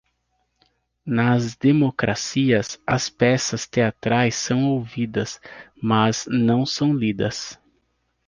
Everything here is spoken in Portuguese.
Nas democracias, as peças teatrais são ouvidas, mas não são lidas.